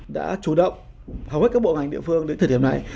đã chủ động hầu hết các bộ ngành địa phương đến thời điểm này